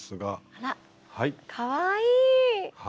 あらかわいい！